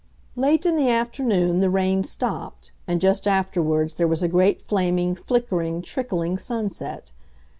Late in the afternoon the rain stopped, and just afterwards there was a great flaming, flickering, trickling sunset.